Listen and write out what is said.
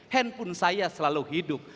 handphone saya selalu hidup